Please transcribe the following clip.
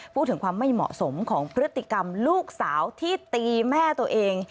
พูดถึงความไม่เหมาะสมของพฤติกรรมลูกสาวที่ตีแม่ตัวเอง